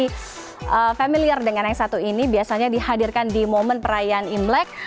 jadi familiar dengan yang satu ini biasanya dihadirkan di momen perayaan imlek